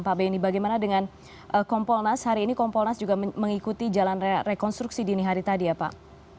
pak benny bagaimana dengan kompolnas hari ini kompolnas juga mengikuti jalan rekonstruksi dini hari tadi ya pak